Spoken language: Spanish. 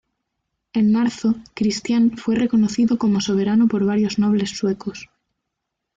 En marzo, Cristián fue reconocido como soberano por varios nobles suecos.